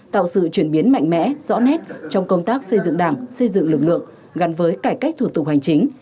tạo sự chuyển biến mạnh mẽ rõ nét trong công tác xây dựng đảng xây dựng lực lượng gắn với cải cách thủ tục hành chính